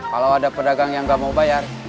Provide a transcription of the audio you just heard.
kalau ada pedagang yang nggak mau bayar